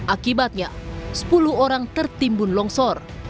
akibatnya sepuluh orang tertimbun longsor